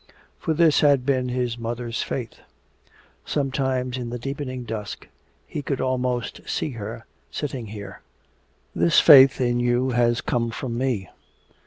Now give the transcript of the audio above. For this had been his mother's faith. Sometimes in the deepening dusk he could almost see her sitting here. "This faith in you has come from me.